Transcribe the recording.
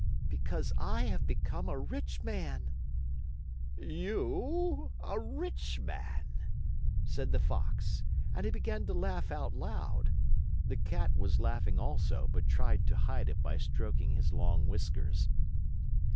"Because I have become a rich man." "You, a rich man?" said the Fox, and he began to laugh out loud. The Cat was laughing also, but tried to hide it by stroking his long whiskers.